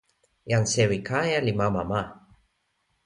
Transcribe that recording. jan sewi Kaja li mama ma.